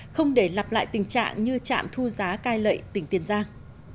không để lặp lại tình trạng như trạm thu giá cai lệ tỉnh tiền giang